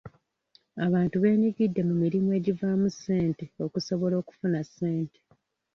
Abantu beenyigidde mu mirimu egivaamu ssente okusobola okufuna ssente.